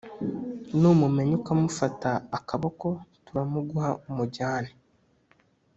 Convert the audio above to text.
numumenya ukamufata akaboko, turamuguha umujyane.